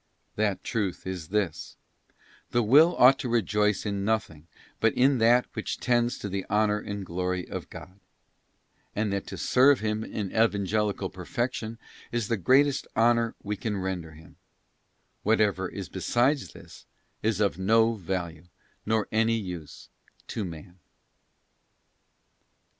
That truth is this: The Will ought to rejoice in nothing but in that which tends to the Honour and Glory of God; and that to serve Him in Evangelical Perfection is the greatest honour we can render Him: whatever is beside this is of no value nor of any use to man.